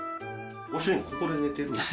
ご主人、ここで寝てるんですか？